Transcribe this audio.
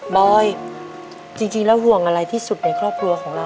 บอยจริงแล้วห่วงอะไรที่สุดในครอบครัวของเรา